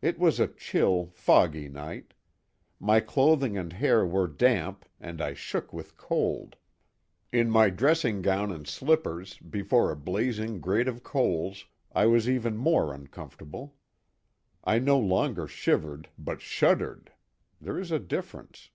It was a chill, foggy night; my clothing and hair were damp and I shook with cold. In my dressing gown and slippers before a blazing grate of coals I was even more uncomfortable. I no longer shivered but shuddered—there is a difference.